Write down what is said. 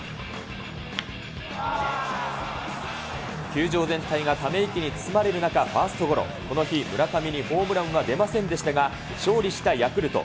球場全体がため息に包まれる中、ファーストゴロ、この日、村上にホームランは出ませんでしたが、勝利したヤクルト。